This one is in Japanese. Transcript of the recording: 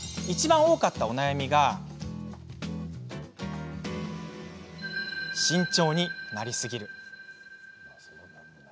いちばん多かったお悩みが慎重になりすぎる。